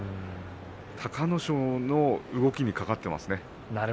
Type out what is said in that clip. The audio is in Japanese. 隆の勝への動きに懸かっています。